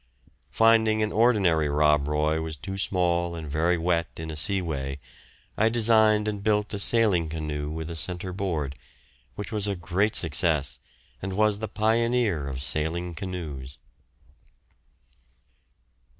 Finding an ordinary "Rob Roy" was too small and very wet in a seaway I designed and built a sailing canoe with a centre board, which was a great success and was the pioneer of sailing canoes.